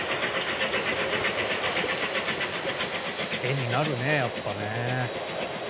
絵になるねやっぱね。